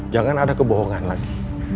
jangan ada kebohongan lagi